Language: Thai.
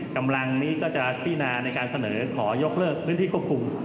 กำลังนี้ก็จะพินาในการเสนอขอยกเลิกพื้นที่ควบคุม